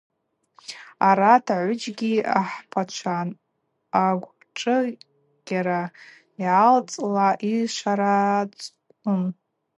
Арат агӏвыджьгьи ахӏпачван, агвшӏыгъьра йгӏалцӏла йшварацквун.